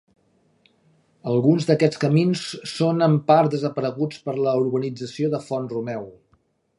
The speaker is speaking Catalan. Alguns d'aquests camins són en part desapareguts per la urbanització de Font-romeu.